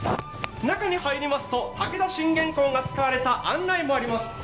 中に入りますと武田信玄公も使われました案内もあります。